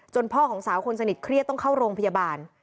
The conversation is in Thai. พ่อของสาวคนสนิทเครียดต้องเข้าโรงพยาบาล